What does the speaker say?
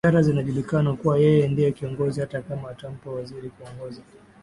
Wizara zinajulikana kuwa yeye ndiye kiongozi hata kama atampa waziri kuongoza